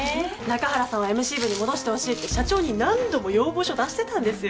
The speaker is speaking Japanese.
中原さんをＭＣ部に戻してほしいって社長に何度も要望書出してたんですよ。